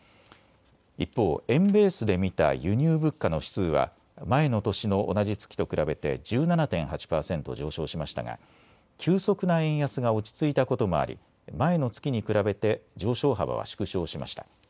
一方、円ベースで見た輸入物価の指数は前の年の同じ月と比べて１７．８％上昇しましたが急速な円安が落ち着いたこともあり前の月に比べて上昇幅は縮小しました。